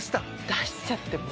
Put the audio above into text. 出しちゃって。